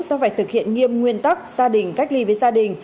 do phải thực hiện nghiêm nguyên tắc gia đình cách ly với gia đình